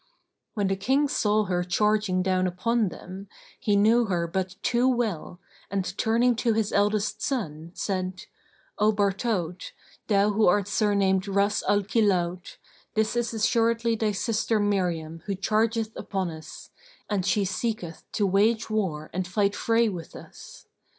When the King saw her charging down upon them, he knew her but too well and turning to his eldest son, said, "O Bartaut,[FN#10] thou who art surnamed Ras al Killaut[FN#11] this is assuredly thy sister Miriam who chargeth upon us, and she seeketh to wage war and fight fray with us.